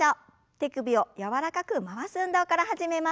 手首を柔らかく回す運動から始めます。